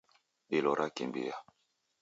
Dilo rakimbia